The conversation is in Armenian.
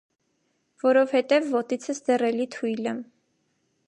- Որովհետև ոտիցս դեռ էլի թույլ եմ: